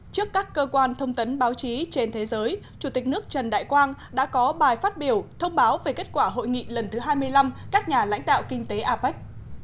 trước các cơ quan thông tấn báo chí trên thế giới chủ tịch nước trần đại quang đã có bài phát biểu thông báo về kết quả hội nghị lần thứ hai mươi năm các nhà lãnh đạo kinh tế apec